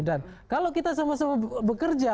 dan kalau kita sama sama bekerja